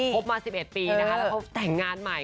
พบมา๑๑ปีแล้วพบแต่งงานใหม่